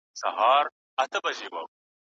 طبيعي بدلونونه تل روان دي.